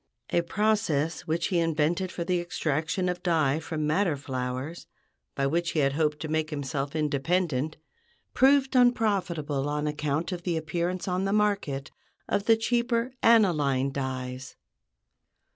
A process which he invented for the extraction of dye from madder flowers, by which he hoped to make himself independent, proved unprofitable on account of the appearance on the market of the cheaper aniline dyes.